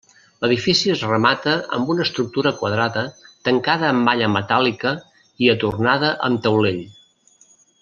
L'edifici es remata amb una estructura quadrada tancada amb malla metàl·lica i adornada amb taulell.